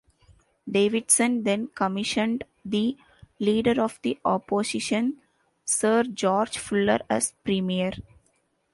Davidson then commissioned the Leader of the Opposition, Sir George Fuller, as Premier.